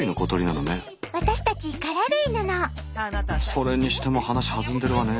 それにしても話はずんでるわね。